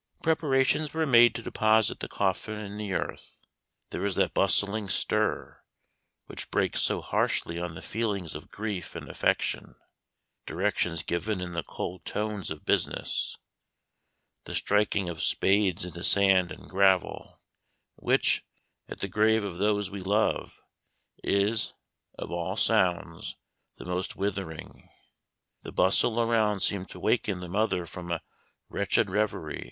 Preparations were made to deposit the coffin in the earth. There was that bustling stir, which breaks so harshly on the feelings of grief and affection; directions given in the cold tones of business; the striking of spades into sand and gravel; which, at the grave of those we love, is, of all sounds, the most withering. The bustle around seemed to waken the mother from a wretched revery.